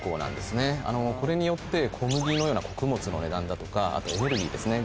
これによって小麦のような穀物の値段だとかあとエネルギーですね